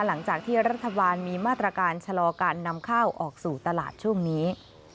หลังจากที่รัฐบาลมีมาตรการชะลอการนำข้าวออกสู่ตลาดช่วงนี้